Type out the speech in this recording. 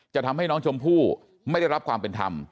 จะทำให้น้องชมพู่ไม่ได้รับความเป็นธรรม